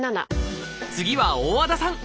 次は大和田さん。